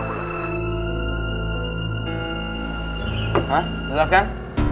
hah jelas kan